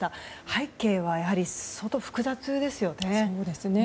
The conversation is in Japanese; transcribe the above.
背景は相当、複雑ですよね。